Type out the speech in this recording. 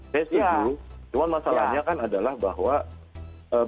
bagaimana kita mengawasi jika kita menggunakan jaringan yang berbeda